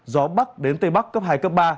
gió bắc đến tây bắc cấp hai cấp ba